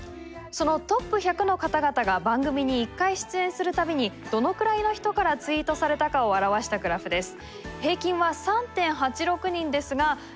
そのＴＯＰ１００の方々が番組に１回出演する度にどのくらいの人からツイートされたかを表したグラフです。